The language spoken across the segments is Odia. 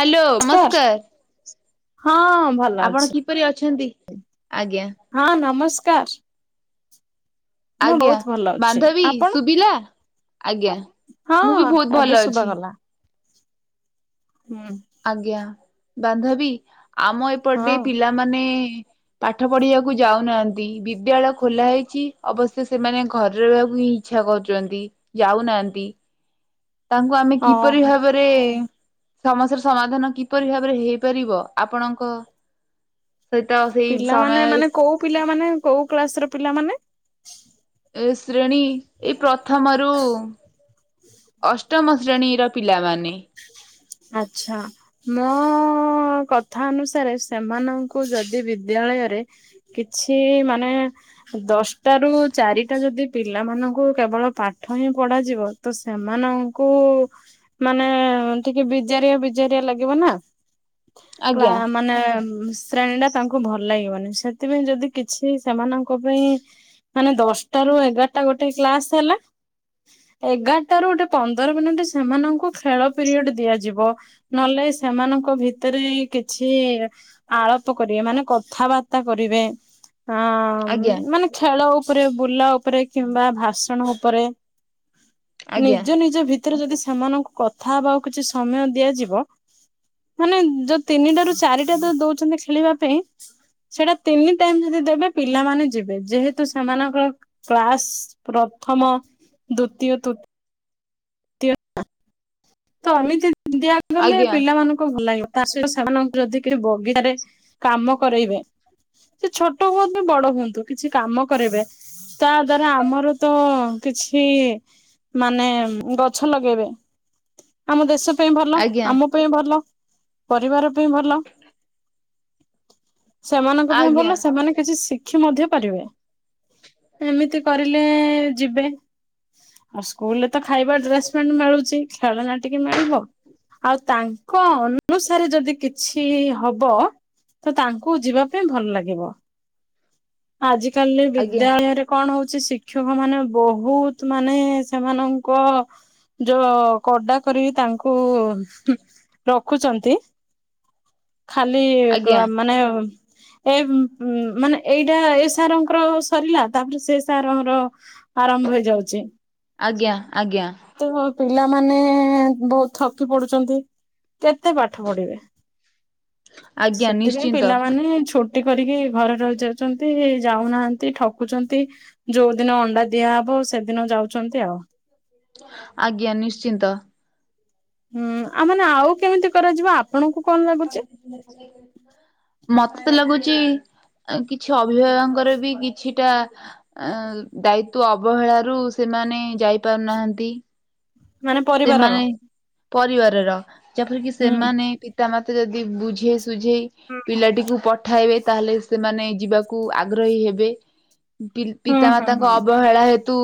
ହାଲୋ। ହଁ ଭଲ ଆପଣ ଅଛି। କିପରି ଅଛନ୍ତି? ଆଜ୍ଞା। ହଁ ନମସ୍କାର। ମୁଁ ଆଜ୍ଞା ବହୁତ ଭଲ ଅଛି ବାନ୍ଧବୀ ଆପଣ ଶୁଭିଲା ଆଜ୍ଞା। ହଁ ମୁଁ ବି ବହୁତ ଭଲ ଏବେ ଶୁବା ଅଛି ଗଲା ହୁଁ। ଆଜ୍ଞା ବାନ୍ଧବୀ ଆମ ଏପଟେ ହଁ ପିଲାମାନେ ପାଠ ପଢିବାକୁ ଯାଉନାହାନ୍ତି ବିଦ୍ୟାଳୟ ଖୋଲା ହେଇଛି ଅବଶ୍ୟ ସେମାନେ ଘରେ ରହିବାକୁ ହିଁ ଇଚ୍ଛା କରୁଚନ୍ତି ଯାଉନାହାନ୍ତି ତାଙ୍କୁ ଆମେ କିପରି ଓହୋ ଭାବରେ ସମସ୍ୟାର ସମାଧାନ କିପରି ଭାବରେ ହେଇପାରିବ ଆପଣଙ୍କ ସହିତ ସେଇ ପିଲାମାନେ ସମୟ ମାନେ କୋଉ ପିଲାମାନେ କଉ କ୍ଲାସ ର ପିଲାମାନେ? ଏ ଶ୍ରେଣୀ ଏଇ ପ୍ରଥମରୁ ଅଷ୍ଟମ ଶ୍ରେଣୀର ପିଲାମାନେ। ଆଚ୍ଛା। ମୋ କଥା ଅନୁସାରେ ସେମାନଙ୍କୁ ଯଦି ବିଦ୍ୟାଳୟରେ କିଛି ମାନେ ଦଶଟା ରୁ ଚାରିଟା ଯଦି ପିଲାମାନଙ୍କୁ କେବଳ ପାଠ ହିଁ ପଢାଯିବ ତ ସେମାନଙ୍କୁ ମାନେ ଟିକେ ବିଜାରିଆ ବିଜାରିଆ ଲାଗିବ ନା। କ୍ଲା ଆଜ୍ଞା। ମାନେ ଶ୍ରେଣୀ ଟା ତାଙ୍କୁ ଭଲ ଲାଗିବନି ସେଥିପାଇଁ ଯଦି କିଛି ସେମାନଙ୍କ ପାଇଁ ମାନେ ଦଶଟା ରୁ ଏଗାରଟା ଗୋଟେ କ୍ଲାସ ହେଲା ଏଗାରଟା ରୁ ଗୋଟେ ପନ୍ଦର ମିନିଟ ସେମାନଙ୍କୁ ଖେଳ ପିରିୟଡ ଦିଆଯିବ। ନହେଲେ ନାଇଁ ସେମାନଙ୍କ ଭିତରେ କିଛି ଆଳପ କରିବେ ମାନେ କଥାବାର୍ତ୍ତା କରିବେ ଅ ଆଜ୍ଞା ହ ମାନେ ଖେଳ ଉପରେ ବୁଲା ଉପରେ କିମ୍ବା ଭାଷଣ ଉପରେ ଆଜ୍ଞା। ନିଜ ନିଜ ଭିତରେ ଯଦି ସେମାନଙ୍କୁ କଥା ହବାକୁ କିଛି ସମୟ ଦିଆଯିବ ମାନେ ଯୋଉ ତିନିଟ ରୁ ଚାରିଟା ଯୋ ଦଉଛନ୍ତି ଖେଳିବା ପାଇଁ ସେଇଟା ତିନି ଟାଇମ ଯଦି ଦେବେ ପିଲାମାନେ ଯିବେ। ଯେହେତୁ ସେମାନଙ୍କର କ୍ଲାସ ପ୍ରଥମ, ଦ୍ଵିତୀୟ, ତୃ ତ ଏମିତି ଦିଆଗଲେ ଆଜ୍ଞା। ପିଲାମାନଙ୍କୁ ଭଲ ଲାଗିବ। ତା ସହିତ ସେମାନଙ୍କୁ ଯଦି କି ବଗିଚାରେ କାମ କରେଇବେ। ସେ ଛୋଟ ହୁଅନ୍ତୁ ବଡ ହୁଅନ୍ତୁ କିଛି କାମ କରିବେ। ତା ଦ୍ଵାରା ଆମର ତ କିଛି ମାନେ ଗଛ ଲଗେଇବେ। ଆମ ଦେଶ ପାଇଁ ଭଲ ଆଜ୍ଞା। ଆମ ପାଇଁ ଭଲ ପରିବାର ପାଇଁ ଭଲ। ସେମାନଙ୍କ ପାଇଁ ଆଜ୍ଞା। ଭଲ ସେମାନେ କିଛି ଶି ଖି ମଧ୍ୟ ପାରିବେ ଏମିତି କରିଲେ ଯିବେ। ଆଉ ସ୍କୁଲରେ ତ ଖାଇବା ଡ୍ରେସ ପଣ୍ ମିଳୁଛି ଖେଳନା ଟିକେ ମିଳିବ। ଆଉ ତାଙ୍କ ଅନୁସାରେ ଯଦି କିଛି ହବ ତ ତାଙ୍କୁ ଯିବା ପାଇଁ ଭଲ ଲାଗିବ ଆଜିକାଲି ଆଜ୍ଞା ବିଦ୍ୟାଳୟରେ କଣ ହଉଛି ଶିକ୍ଷକ ମାନେ ବହୁତ ମାନେ ସେମାନଙ୍କ ଯୋଉ କଡ଼ା କରିି ତାଙ୍କୁ ରଖୁଛନ୍ତି। ଖାଲି ଆଜ୍ଞା ମାନେ ଏ ମାନେ ଏଇଟା ଏ ସାରଙ୍କର୍ ସରିଲା ତାପରେ ସେ ସାରଙ୍କର ଆରମ୍ଭ ହେଇଯାଉଛି। ଆଜ୍ଞା ଆଜ୍ଞା। ତ ପିଲାମାନେ ବହୁତ ଥକି ପଡୁଛନ୍ତି। କେତେ ପାଠ ପଢିବେ ଆଜ୍ଞା ସେଥିପାଇଁ ନିଶ୍ଚିନ୍ତ। ପିଲାମାନେ ଛୋ ଟି କରିକି ଘରେ ରହି ଯାଉଛନ୍ତି। ଯାଉନାହାନ୍ତି ଠକୁଛନ୍ତି। ଯୋଉଦିନ ଅଣ୍ଡା ଦିଆହବ ସେଦିନ ଯାଉଛନ୍ତି ଆଉ। ଆଜ୍ଞା ନିଶ୍ଚିନ୍ତ। ହୁଁ ଆଉ ମାନେ ଆଉ କେମିତି କରାଯିବ ଆପଣଙ୍କୁ କଣ ଲାଗୁଛି [inaudible] ମତେ ତ ଲାଗୁଚ କିଛି ଅଭିଭାବକଙ୍କର ବି କିଛିଟା ଅ ଦାୟିତ୍ୱ ଅବହେଳାରୁ ସେମାନେ ଯାଇପାରୁନାହାନ୍ତି। ମାନେ ପରିବାରର ସେମାନେ ପରିବାରର ଯେପରିକି ହୁଁ ସେମାନେ, ପିତା, ମାତା, ଯଦି ବୁଝେ ସୁଝେଇ ହୁଁ ପିଲାଟିକୁ ପଠାଇବେ ତାହେଲେ ସେମାନେ ଯିବାକୁ ଆଗ୍ରହୀ ହେବେ। ହୁଁ ହୁଁ ପିତାମାତାଙ୍କ ଅବହେଳା ହେ ତୁ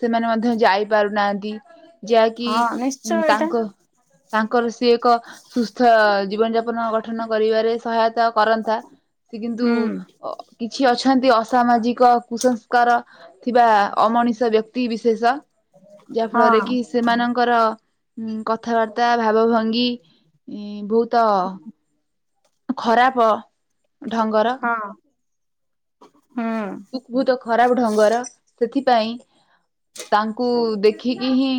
ସେମାନେ ମଧ୍ୟ ଯାଇ ପାରୁନାହାନ୍ତି। ଯାହାକି ହଁ ନିଶ୍ଚୟ ଏଇଟା ତାଙ୍କ ତାଙ୍କର ସିଏ ଏକ ସୁସ୍ଥ ଜୀବନ ଯାପନ ଗଠନ କରିବାରେ ସହାୟତା କରନ୍ତା ସେ କିନ୍ତୁ ହୁଁ ଅ କିଛି ଅଛନ୍ତି ଅସାମାଜିକ କୁସଂସ୍କାର ଥିବା ଅମଣିଷ ବ୍ୟକ୍ତି ବିଶେଷ ଯାହା ହଁ ଫଳରେ କି ସେମାନଙ୍କର କଥାବାର୍ତ୍ତା ଭାବ ଭଙ୍ଗୀ ବହୁତ ଖରାପ ଢଙ୍ଗର ହଁ ହୁଁ ସୁଖ ବହୁତ ଖରାପ ଢଙ୍ଗର ସେଥିପାଇଁ ତାଙ୍କୁ ଦେଖିକି ହିଁ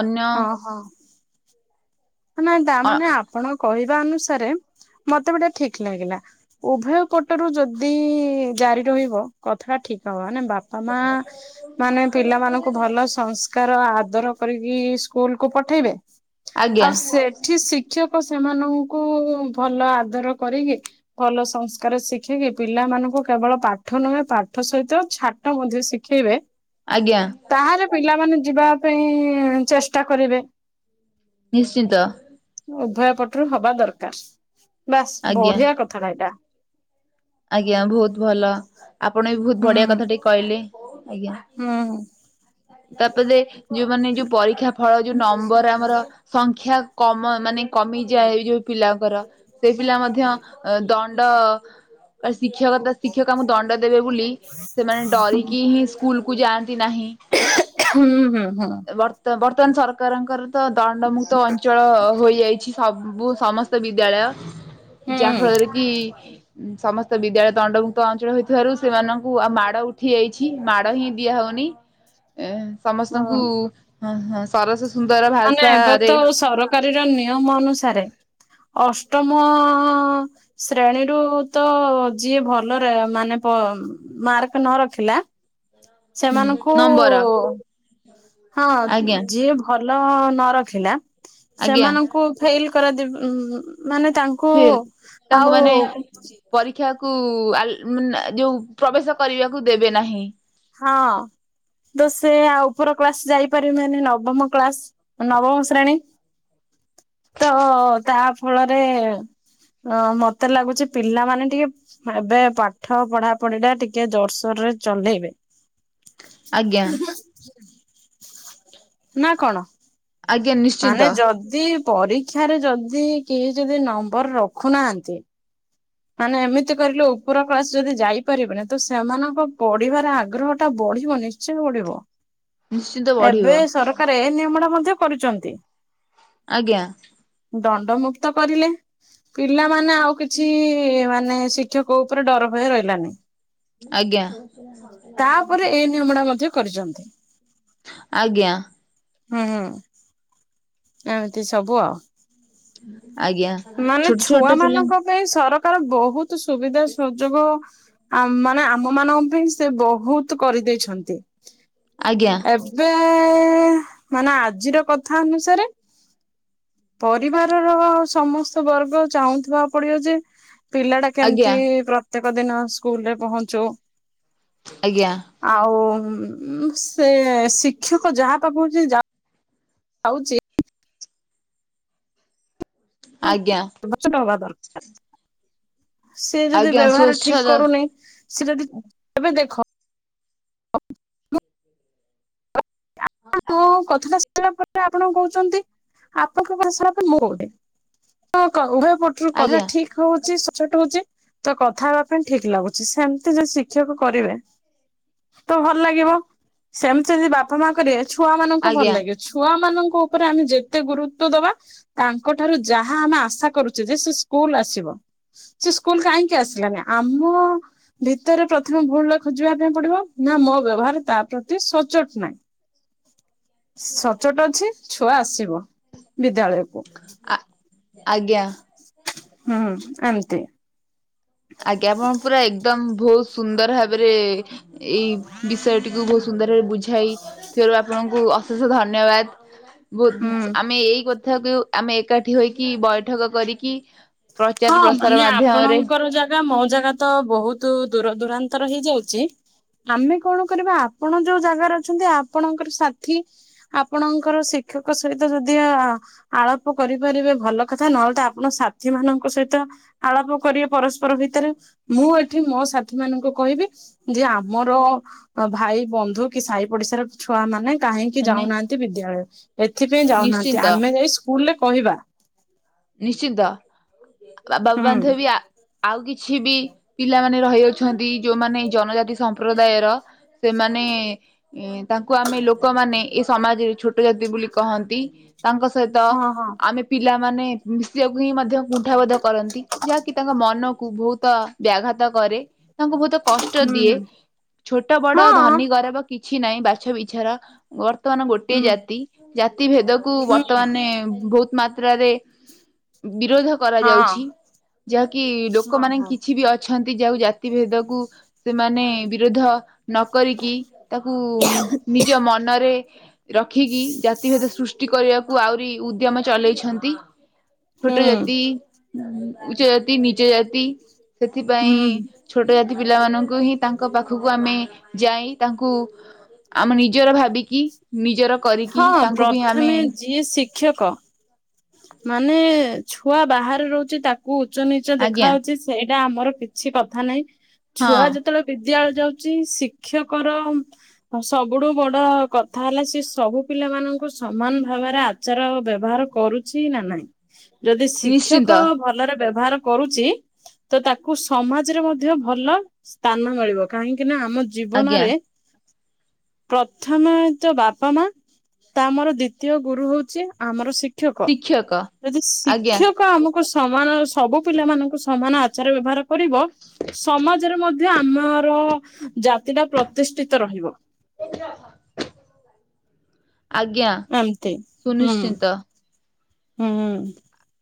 ଅନ୍ୟ ହଁ। ନାଇ ତା ଅ ମାନେ ଆପଣଙ୍କ କହିବା ଅନୁସାରେ ମତେ ଗୋଟେ ଠିକ ଲାଗିଲା ଉଭୟ ପଟରୁ ଯଦି ଜାରି ରହିବ କଥାଟା ଠିକ ହବ ବା ପା, ମା, ମାନେ ପିଲାମାନଙ୍କୁ ଭଲ ସଂସ୍ କାର ଆଦର କରିକି ସ୍କୁଲ କୁ ପଠେଇବେ ଆଜ୍ଞା ଆଉ ସେଠି ଶିକ୍ଷକ ସେମାନଙ୍କୁ ଭଲ ଆଦର କରିକି ଭଲ ସଂସ୍କାର ଶିଖିକି ପିଲାମାନଙ୍କୁ କେବଳ ପାଠ ନୁହେଁ ପାଠ ସହିତ ଛା ଟ ମଧ୍ୟ ଶିଖେଇବେ ଆଜ୍ଞା। ତାହାଲେ ପିଲାମାନେ ଯିବା ପାଇଁ ଚେଷ୍ଟା କରିବେ। ନିଶ୍ଚିନ୍ତ। ଉଭୟ ପଟରୁ ହବା ଦରକାର ବାସ୍ ଆଜ୍ଞା ବଢିଆ କଥାଟା ଏଇଟା ଆଜ୍ଞା ବହୁତ ଭଲ ଆପଣ ବି ବହୁତ ହୁଁ ବଢିଆ କଥା ଟିକେ କହିଲେ ଆଜ୍ଞା। ହୁଁ ତାପରେ ଯୋଉ ମାନ ଯୋଉ ପରୀକ୍ଷା ଫଳ ଯୋଉ ନମ୍ବର ଆମର ସଂଖ୍ୟା କମ ମାନେ କମିଯାଏ ଏ ଯୋଉ ପିଲାଙ୍କର ସେଇ ପିଲା ମଧ୍ୟ ଦଣ୍ଡ ଶିକ୍ଷକ ଶିକ୍ଷକଙ୍କୁ ଦଣ୍ଡ ଦେବେ ବୋଲି ସେମାନେ ହୁଁ ଡରିକି ହିଁ ସ୍କୁଲକୁ ଯାଆନ୍ତି ନାହିଁ। ହୁଁ ହୁଁ ହୁଁ। ବର୍ତ୍ତମାନ ସରକାରଙ୍କର ତ ଦଣ୍ଡମୁକ୍ତ ଅଞ୍ଚ ଚଳ ହୋଇଯାଇଛି ସବୁ ସମସ୍ତ ବିଦ୍ୟାଳୟ ହୁଁ ଯାହା ଫଳରେ କି ଉଁ ସମସ୍ତ ବିଦ୍ୟାଳୟ ଦଣ୍ଡମୁକ୍ତ ଅଞ୍ଚଳ ହୋଇଥିବାରୁ ସେମାନଙ୍କୁ ଆଉ ମାଡ ଉଠ ଉଠିଆଯଇଛି ମାଡ ହିଁ ଦିଆ ହଉନି ଏ ହୁଁ ସମସ୍ତଙ୍କୁ ହଁ ହଁ ସରସ ସୁନ୍ଦର ମାନେ ଭାଷା ଏବେ ତ ରେ ସରକାରୀର ନିୟମ ଅନୁସାରେ ଅଷ୍ଟମ ଶ୍ରେଣୀରୁୁ ତ ଯିଏ ଭଲରେ ମାନେ ମାର୍କ ନ ରଖିଲା ହୁଁ ସେମାନଙ୍କୁ ନମ୍ବର ହଁ ଆଜ୍ଞା ଯିଏ ଭଲ ନ ରଖିଲା ଆଜ୍ଞା ସେମାନଙ୍କୁ ଫେଲ କରନ୍ତି ଉ ମାନେ ତାଙ୍କୁ ଫେଲ୍ ତାଙ୍କୁ ଆଉ ମାନେ ପରୀକ୍ଷାକୁ ଆଲ୍ ଯୋଉ ପ୍ରବେଶ କରିବାକୁ ଦେବେ ନାହିଁ ହଁ ତ ସେ ଆଉ ଉପର କ୍ଳାସ ଯାଇପାରିବ ମାନେ ନବମ କ୍ଳାସ ନବମ ଶ୍ରେଣୀ ତ ତା ଫଳରେ ହ ମତେ ଲାଗୁଚି ପିଲାମାନେ ଟିକେ ଏବେ ପାଠ ପଢା ପଢି ଟା ଟିକେ ଜୋରସୋର ରେ ଚଲେଇବେ ଆଜ୍ଞା ନା କଣ ଆଜ୍ଞା ନିଶ୍ଚିନ୍ତ ମାନେ ଯଦି ପରୀକ୍ଷାରେ ଯଦି କେହି ଯଦି ନମ୍ବର ରଖୁନାହାନ୍ତି। ମାନେ ଏମିତି କରିଲେ ଉପର କ୍ଲାସ ଯଦି ଯାଇପାରିବନି ତ ସେମାନଙ୍କ ପଢିବାର ଆଗ୍ରହ ଟା ବଢିବନି ସେ ପଡିବ ନିଶ୍ଚିନ୍ତ ବଢିବ ଏବେ ସରକାର ଏ ନିୟମ ଟା ମଧ୍ୟ କରୁଛନ୍ତି। ଆଜ୍ଞା ଦଣ୍ଡ ମୁୁକ୍ତ କରିଲେ ପିଲାମାନେ ଆଉ କିଛି ମାନେ ଶିକ୍ଷକ ଉପରେ ଡର ଭୟ ରହିଲାନି ଆଜ୍ଞା ଭ [unintelligible] ତାପରେ ଏଇ ନିୟମଣା ମଧ୍ୟ କରିଛନ୍ତି ଆଜ୍ଞା ହୁଁ ହୁଁ ଏମିତି ସବୁ ଆଉ ଆଜ୍ଞା ମାନେ ଛୋଟ ଛୋଟ ଛୁଆ ପିଲା ମାନଙ୍କ ପାଇଁ ସରକାର ବହୁତ ସୁବିଧା ସୁଯୋଗ ଆ ମାନେ ଆମ ମାନଙ୍କ ପାଇଁ ସେ ବହୁତ କରିଦେଇଛନ୍ତି। ଆଜ୍ଞା ଏବେ ମାନେ ଆଜିର କଥା ଅନୁସାରେ ପରିବାରର ସମସ୍ତ ବର୍ଗ ଚାହୁଁଥିବା ପଡିବ ଯେ ପିଲା ଟା ଆଜ୍ଞା କେମିତି ପ୍ର ପ୍ରତ୍ୟେକ ଦିନ ସ୍କୁଲ ରେ ପହଞ୍ଚୁ ଆଜ୍ଞା ଆଉ ସେ ଶିକ୍ଷକ ଯାହା ପା କହୁଛି ଯା ହଉଛି ଆଜ୍ଞା। [unintelligible] ସେ ଯଦି ଆଜ୍ଞା ବ୍ୟବହାର ଠିକ୍ ସ୍ଵଚ୍ଛତା କରୁନି ସେ ଯଦି, ଏବେ ଦେଖ ମୋଁ କଥାଟା ସରିଲା ପରେ ଆପଣ କହୁଛନ୍ତି, ଆପଣଙ୍କ ଭାଷା ଗୋଟେ ମୋ ଗୋଟେ। ହଁ ତ ଉଭୟ ପଟରୁ କଥା ଆଜ୍ଞା ଠିକ ହଉଛି, ସଚ୍ଚୋଟ ହଉଛି। ତୋ, କଥା ହେବା ପାଇଁ ଠିକ ଲାଗୁଛି, ସେମିତିସେ ଶିକ୍ଷକ କରିବେ। ତୋ ଭଲ ଲାଗିବ, ସେମିତି ଯଦି ବାପା ମା କରିବେ ଛୁଆ ମାନଙ୍କୁ ଆଜ୍ଞା ଭଲ ଲାଗିବ। ଛୁଆ ମାନଙ୍କ ଉପରେ ଆମେ ଯେତେ ଗୁରୁତ୍ଵ ଦବା। ତାଙ୍କଠାରୁ ଯାହା ଆମେ ଆଶା କରୁଛେ ଯେ, ସେ ସ୍କୁଲ ଆସିବ। ସେ ସ୍କୁଲ କାହିଁକି ଆସିଲାନି ଆମ ଭିତରେ ପ୍ରଥମେ ଭୁଲ୍ ଟା ଖୋଜିବା ପାଇଁ ପଡିବ, ନା ମୋ ବ୍ୟବହାର ତା ପ୍ରତି ସଚ୍ଚୋଟ ନାହିଁ। ସଚ୍ଚୋଟ ଅଛି, ଛୁଆ ଆସିବ ବିଦ୍ୟାଳୟକୁ। ଆଃ ଆଜ୍ଞା। ହୁଁ ଆନନ୍ତି। ଆଜ୍ଞା, ଆପଣ ପୁରା ଏକଦମ ବହୁତ ସୁନ୍ଦର ଭାବରେ ଏଇ ବିଷୟଟିକୁ ବହୁତ୍ ସୁନ୍ଦରଭାଵେ ବୁଝାଇ ଥିବରୁ ଆପଣଙ୍କୁ ଅଶେଷ ଧନ୍ୟବାଦ। ବହୁତ୍ ହୁଁ। ଜିନିଷ ଆମେ ଏଇ କଥାକୁ ଆମେ ଏକାଠି ହୋଇକି ବୈଠକ କରିକି ହଁ ପ୍ରଚାର ମାନେ ପ୍ରସାର ମାଧ୍ୟମରେ। ଆପଣଙ୍କର ଜାଗା ମୋ ଜାଗା ତ ବହୁତ୍ ଦୂର ଦୂରାନ୍ତର ହେଇଯାଉଚି। ଆମେ କଣ କରିବା ଆପଣ ଯୋଉ ଜାଗାରେ ଅଛନ୍ତି ଆପଣଙ୍କର ସାଥିୀ ଆପଣଙ୍କର ଶିକ୍ଷକ ସହିତ ଯଦି ଆ ଆଳପ କରିପାରିବେ ଭଲ କଥା, ନହେଲେ ତ ଆପଣ ସାଥି ମାନ ଙ୍କ ସହିତ ଆଳାପ କରିବେ ପରସ୍ପର ଭିତରେ, ମୁଁ ଏଠି ମୋ ସାଥି ମାନଙ୍କୁ କହିବି। ଯେ ଆମର ଭାଇ ବନ୍ଧୁ କି ସାହି ପଡିଶାର ଛୁଆ ମାନେ କାହିଁକି ମାନେ ଯାଉନାହାନ୍ତି ବିଦ୍ୟାଳୟ, ଏଥିପାଇଁ ଯାଉନାହାନ୍ତି ନିଶ୍ଚିନ୍ତ ଆମେ ଯାଇ ସ୍କୁଲରେ କହିବା। ନିଶ୍ଚିନ୍ତ ବାବା ହୁଁ ବାନ୍ଧ ବି ଆ ଆଉ କିଛି ବି ପିଲାମାନେ ରହିଯାଉଛନ୍ତି ଯୋଉମାନେ ଜନଜାତି ସମ୍ପ୍ରଦାୟର। ସେମାନେ ଏ ତାଙ୍କୁ ଆମେ ଲୋକମାନେ ଏ ସମାଜରେ ଛୋଟ ଜାତି ବୋଲି କହନ୍ତି। ତାଙ୍କ ସହିତ ହଁ ହଁ ଆମେ ପିଲାମାନେ ମିଶିବାକୁ ହିଁ ମଧ୍ୟ କୁଣ୍ଠାବୋଧ କରନ୍ତି, ଯାହାକି ତାଙ୍କ ମନକୁ ବହୁତ୍ ବ୍ୟାଘାତ କରେ। ତାଙ୍କୁ ବହୁତ୍ କଷ୍ଟ ଦିଏ, ହୁଁ ଛୋଟ ବଡ ହୁଁ ହଁ ଧନୀ ଗରବ କିଛି ନାହିଁ ବାଛ ବିଛାର। ବର୍ତ୍ତମାନ ହୁଁ ଗୋଟିଏ ଜାତି ଜାତି ଭେଦକୁ ହୁଁ ବର୍ତ୍ତମାନେ ଭୋଉତ୍ ମାତ୍ରାରେ ବିରୋଧ ହଁ କରାଯାଉଛି, ଯାହାକି ହଁ ଲୋକମାନେ ହଁ କିଛି ବି ଅ ଛନ୍ତି ଯାହାକୁ ଜାତି ଭେଦକୁ ସେମାନେ ବିରୋଧ ନ କରିକି ତାକୁ ନିଜ ମନରେ ରଖିକି ଯା ଜାତି ଭେଦ ସୃଷ୍ଟି କରିବାକୁ ଆହୁରି ଉଦ୍ୟମ ଚଲେଇଛନ୍ତି। ହୁଁ ଛୋଟ ଜାତି, ଉଚ୍ଚ ଜାତି ନିଚ ଜାତି। ସେଥିପାଇଁ, ହୁଁ ଛୋଟ ଯା ତି ପିଲାମାନଙ୍କୁ ହିଁ ତାଙ୍କ ପାଖକୁ ଆମେ ଯାଇ ତାଙ୍କୁ ଆମ ନିଜର ଭାବିକି ନିଜର କରିକି ହଁ ତାଙ୍କୁ ବି ଆମେ ପ୍ରଥମେ ଯିଏ ଶିକ୍ଷକ ମାନେ ଛୁଆ ବାହାରେ ରହୁଚି ତାକୁ ଉଚ୍ଚ ନିଚ ଦେଖା ଆଜ୍ଞା ହଉଚି। ସେଇଟା ଆମର କିଛି କଥା ନାହିଁ ହଁ ଛୁଆ ଯେ ଯେତେବେଳେ ବିଦ୍ୟାଳୟ ଯାଉଛି ଶିକ୍ଷକର ହଁ, ସବୁଠୁ ବଡ କଥା ହେଲା ସିଏ ସବୁ ପିଲାମାନଙ୍କୁ ସମାନ ଭାବରେ ଆ ଆଚାର ବ୍ୟବହାର କରୁଛି ନା ନାଇଁ, ଯଦି ଶିକ୍ଷକ ନିଶ୍ଚିନ୍ତ ଭଲରେ ବ୍ୟବହାର କରୁଛି, ତ ତାକୁ ସମାଜରେ ମଧ୍ୟ ଭଲ ସ୍ଥାନ ମିଳିବ କାହିଁକି ନା ଆମ ଆଜ୍ଞା। ଜୀବନରେ ପ୍ରଥମେ ତ ବାପା ମା ତା ମର ଦ୍ଵିତୀୟ ଗୁରୁ ହଉଚି ଆମର ଶି ଶିକ୍ଷକ। ଯଦି ଆଜ୍ଞା ଶିକ୍ଷକ ଆମକୁ ସମାନ ସବୁ ପିଲା ମଙ୍କୁ ସମାନ ଆଚାର ବ୍ୟବହାର କରିବ। ସମାଜରେ ମଧ୍ୟ ଆ ମ ର ଜାତି ଟା ପ୍ରତିଷ୍ଠିତ ରହିବ। [unintelligible] ଆଜ୍ଞା। ଏମ୍ତି ହୁଁ ସୁନିଶ୍ଚିନ୍ତ। ହୁଁ।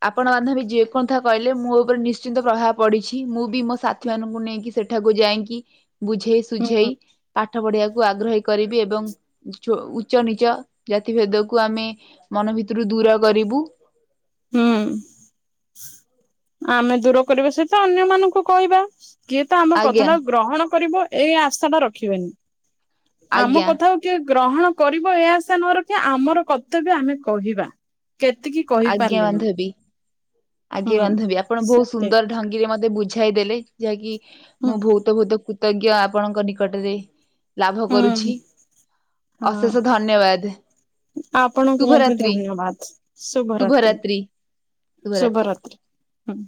ଆପଣ ବାନ୍ଧବୀ ଯେକୋନ୍ଥା କହିଲେ ମୋ ଉପରେ ନିଶ୍ଚିନ୍ତ ପ୍ରଭାବ ପଡିଛି ମୁଁ ବି ମୋ ସା ମାନଙ୍କୁ ନେଇକି ସେଠାକୁ ଯାଇକି ବୁଝେଇ ହୁଁ ସୁୁଝେଇ ପା ପାଠ ପଢିବାକୁ ଆଗ୍ରହୀ କରିବି ଏବଂ ଉଚ ଉଚ୍ଚ ନିଚ ଜାତିଭେଦକୁ ଆମେ ମନ ଭିତରୁ ଦୂର କରିବୁ। ହୁଁ ଆମେ ଦୂର କରିବା ସହିତ ଅନ୍ୟ ମାନଙ୍କୁ କହିବା। କିଏ ତ ଆମ ଆଜ୍ଞା କଥାଟା ଗ୍ରହଣ କରିବ ଏଇ ଆଶା ଟା ରଖିବେନି ଆମ ଆଜ୍ଞା କଥା ଟିକେ ଗ୍ରହଣ କରିବ ଏ ଆଶା ନ ରଖିବା ଆମର କର୍ତବ୍ୟ ଆମେ କହିବା କେତିକି କ ଆଜ୍ଞା ବାନ୍ଧବି। ଆଗେ ହୁଁ ବାନ୍ଧବି ଆପଣ ବହୁତ ସେତେ ସୁନ୍ଦର ଢଙ୍ଗିରେ ମତେ ବୁଝାଇ ଦେଲେ ଯାହାକି ହୁଁ ମୁଁ ବହୁତ ବହୁତ କୃ ତଜ୍ଞ ଆପଣଙ୍କ ନିକଟରେ ଲାଭ ହୁଁ କରୁଛି। ହଁ। ଅଶେଷ ଧନ୍ୟବାଦ୍। ଆପଣଙ୍କୁ ମଧ୍ୟ ଧନ୍ୟବାଦ ଶୁଭରାତ୍ରି। ଶୁଭରାତ୍ରି ଶୁଭ ରାତ୍ରି ହୁଁ।